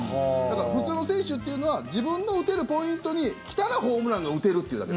普通の選手っていうのは自分の打てるポイントに来たらホームランが打てるっていうだけ。